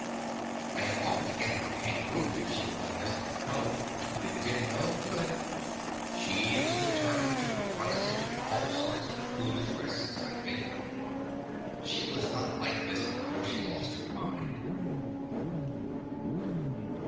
I have offered to get her a kangaroo if she would let this one go, but it did no good—she is determined to run us into all sorts of foolish risks, I think. She was not like this before she lost her mind.